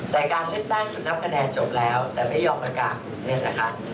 แต่การเลือกตั้งคือนับคะแนนจบแล้วแต่ไม่ยอมประกาศเนี่ยนะคะ